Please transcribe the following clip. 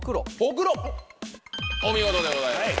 お見事でございます